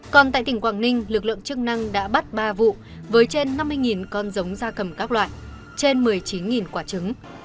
còn tại tỉnh quảng ninh lực lượng chức năng đã bắt ba vụ với trên năm mươi con giống ra cầm các loại trên một mươi chín quả trứng